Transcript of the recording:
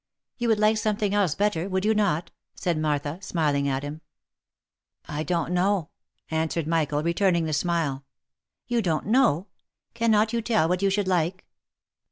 " You would like something else better, would you not?" said Martha, smiling at him. "I don't know," answered Michael, returning the smile. " You don't know? — cannot you tell what you should like?"